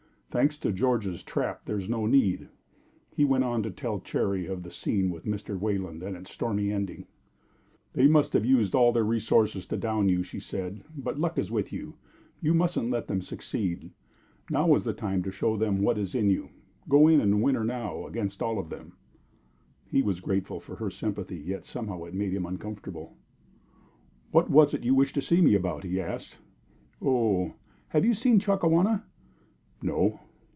"Thanks to George's trap, there is no need." He went on to tell Cherry of the scene with Mr. Wayland and its stormy ending. "They have used all their resources to down you," she said, "but luck is with you, and you mustn't let them succeed. Now is the time to show them what is in you. Go in and win her now, against all of them." He was grateful for her sympathy, yet somehow it made him uncomfortable. "What was it you wished to see me about?" he asked. "Oh! Have you seen Chakawana?" "No."